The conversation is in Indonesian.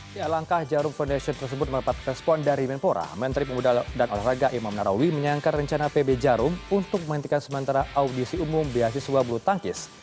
di alangkah jarum foundation tersebut mendapat respon dari menpora menteri pemuda dan olahraga imam narawi menyangka rencana pb jarum untuk menghentikan sementara audisi umum beasiswa bulu tangkis